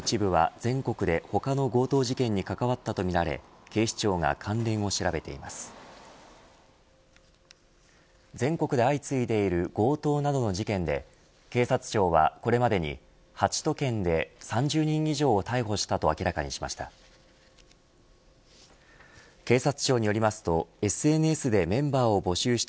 全国で相次いでいる強盗などの事件で警察庁はこれまでに、８都県で３０人以上を逮捕したと明らかにしました。